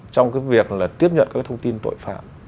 trong cái việc là tiếp nhận các thông tin tội phạm